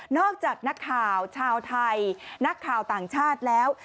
จากนักข่าวชาวไทยนักข่าวต่างชาติแล้ว